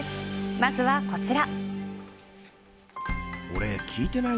まずはこちら。